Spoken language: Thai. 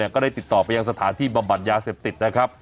ก็ได้ติดต่อไปยังสถานที่บำบัดยาเสพติดนะครับ